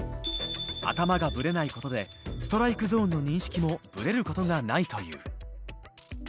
頭がブレないことでストライクゾーンの認識もブレることがないという。